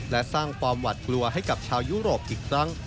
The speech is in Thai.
และสร้างความหวัดกลัวให้กับชาวยุโรปอีกครั้ง